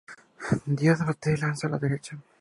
Díaz batea y lanza a la derecha.